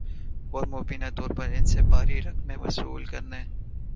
اور مبینہ طور پر ان سے بھاری رقمیں وصول کرنے